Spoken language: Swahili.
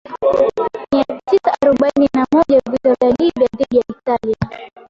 Mia Tisa arubaini na moja Vita vya Libya dhidi ya Italia